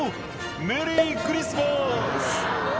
「メリークリスマス！」